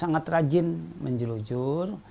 sangat rajin menjelujur